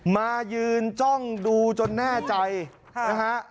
มายืนจ้องดูจนแน่ใจนะฮะ